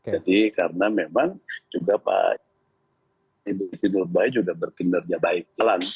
jadi karena memang juga pak ibu siti nurbaya juga berkinerja baik